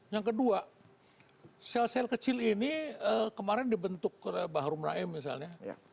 yang kedua sel sel kecil ini kemarin dibentuk baharum raim misalnya